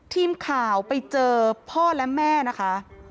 ทีมข่าวไปเจอพ่อและแม่นะคะ